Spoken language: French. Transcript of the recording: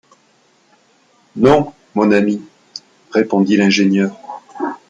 Non, mon ami, répondit l’ingénieur